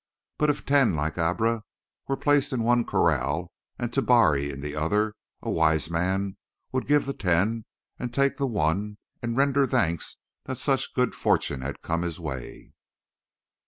But if ten like Abra were placed in one corral and Tabari in the other, a wise man would give the ten and take the one and render thanks that such good fortune had come his way."